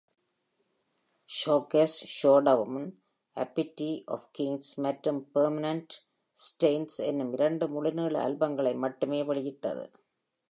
showcase showdown "Appetite of Kings" மற்றும் "Permanent Stains" என்னும் இரண்டு முழு நீள ஆல்பங்களை மட்டுமே வெளியிட்டது,